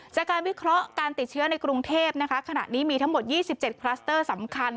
จากการวิเคราะห์การติดเชื้อในกรุงเทพนะคะขณะนี้มีทั้งหมด๒๗คลัสเตอร์สำคัญ